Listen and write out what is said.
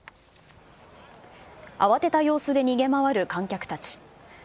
慌てた様子で逃げ回る観客たち。